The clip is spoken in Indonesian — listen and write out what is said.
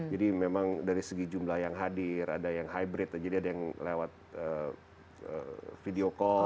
jadi memang dari segi jumlah yang hadir ada yang hybrid jadi ada yang lewat video call